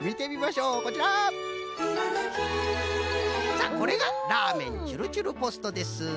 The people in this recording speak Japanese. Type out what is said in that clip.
さあこれがラーメンちゅるちゅるポストです。